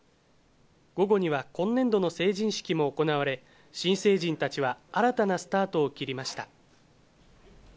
午後には今年度の成人式も行われ、新成人たちは新たなスタートを切りました。